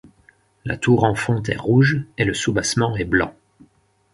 La tour en fonte est rouge et le soubassement est blanc.